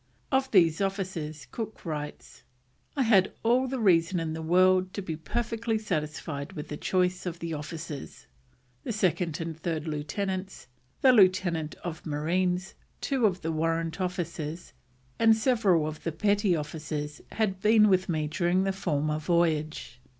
Of these officers Cook writes: "I had all the reason in the World to be perfectly satisfied with the choice of the officers. The Second and Third Lieutenants, the Lieutenant of Marines, two of the Warrant officers, and several of the Petty officers had been with me during the former voyage.